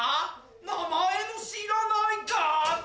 名前も知らない楽器！